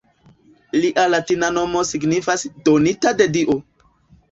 Lia latina nomo signifas “donita de dio“.